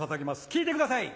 聴いてください